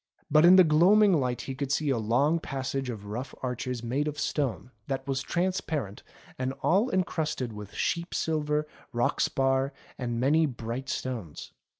But in the gloaming light he could see a long passage of rough arches made of rock that was trans parent and all encrusted with sheep silver, rock spar, and many bright stones.